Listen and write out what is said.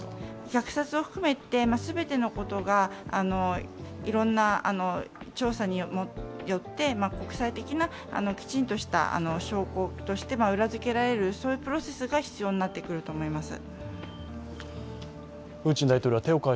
虐殺を含めて全てのことが、いろいろな調査によって国際的なきちんとした証拠として裏付けられるプロセスが必要に鳴ってくると思います。